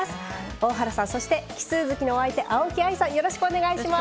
大原さんそして奇数月のお相手青木愛さんよろしくお願いします。